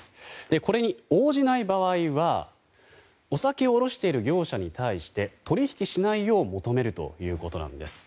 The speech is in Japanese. これに応じない場合はお酒を卸している業者に対して取引しないよう求めるということなんです。